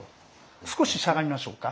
少ししゃがみましょうか。